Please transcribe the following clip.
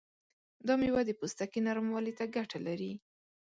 دا میوه د پوستکي نرموالي ته ګټه لري.